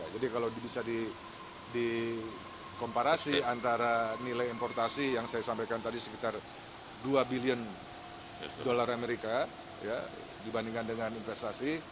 jadi kalau bisa dikomparasi antara nilai importasi yang saya sampaikan tadi sekitar rp dua bilion amerika dibandingkan dengan investasi